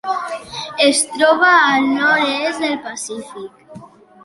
Es troba al nord-est del Pacífic.